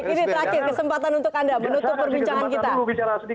ini terakhir kesempatan untuk anda menutup perbincangan kita